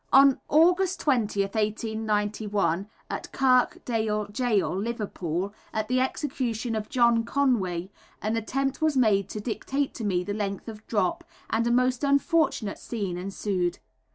On August 20th, 1891, at Kirkdale Gaol, Liverpool, at the execution of John Conway, an attempt was made to dictate to me the length of drop, and a most unfortunate scene ensued.